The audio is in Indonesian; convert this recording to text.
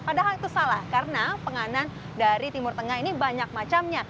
padahal itu salah karena penganan dari timur tengah ini banyak macamnya